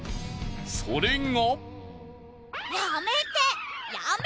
それが。